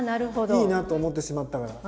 いいなと思ってしまったから。